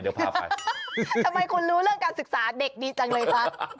ทำไมคุณรู้เรื่องการศึกษาเด็กดีจังเลยครับ